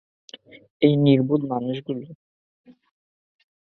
এই নির্বোধ মানুষগুলো?